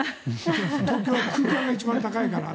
東京は空間が一番高いから。